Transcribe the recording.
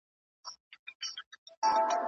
کمزورې ډلې د شتمنو لخوا ځپل کیدلې.